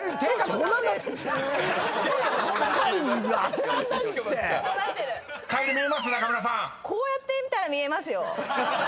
こう見たら見えますよ。